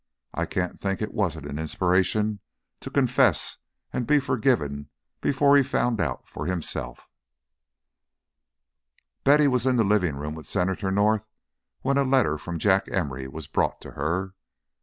I can't think it wasn't an inspiration to confess and be forgiven before he found out for himself." Betty was in the living room with Senator North when a letter from Jack Emory was brought to her.